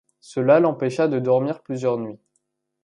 Cela l’empêcha de dormir plusieurs nuits.